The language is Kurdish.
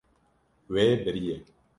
Wê biriye.